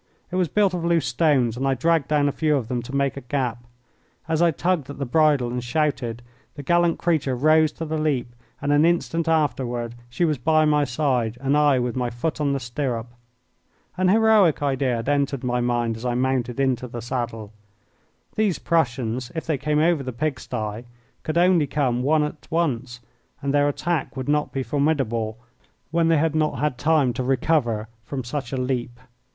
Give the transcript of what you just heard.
It was built of loose stones, and I dragged down a few of them to make a gap. As I tugged at the bridle and shouted the gallant creature rose to the leap, and an instant afterward she was by my side and I with my foot on the stirrup. An heroic idea had entered my mind as I mounted into the saddle. These Prussians, if they came over the pig sty, could only come one at once, and their attack would not be formidable when they had not had time to recover from such a leap.